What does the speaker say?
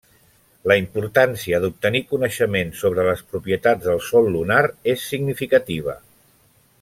La importància d'obtenir coneixements sobre les propietats del sòl lunar és significativa.